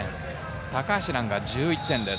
高橋藍が１１点です。